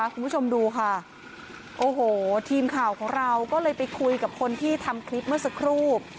คุณผู้ชมดูค่ะโอ้โหทีมข่าวของเราก็เลยไปคุยกับคนที่ทำคลิปเมื่อสักครู่